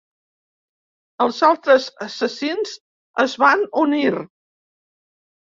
Els altres assassins es van unir.